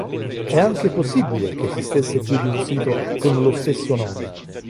È anche possibile che esistesse più di un sito con lo stesso nome.